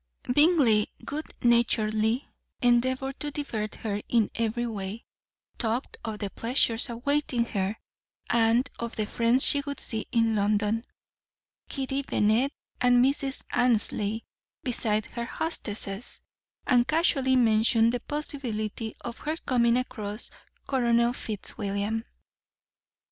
Bingley good naturedly endeavoured to divert her in every way, talked of the pleasures awaiting her, and of the friends she would see in London, Kitty Bennet and Mrs. Annesley, besides her hostesses, and casually mentioned the possibility of her coming across Colonel Fitzwilliam.